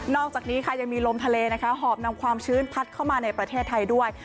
อกจากนี้ค่ะยังมีลมทะเลนะคะหอบนำความชื้นพัดเข้ามาในประเทศไทยด้วย